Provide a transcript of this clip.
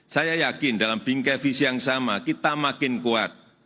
saya yakin dalam bingkai visi yang sama kita makin kuat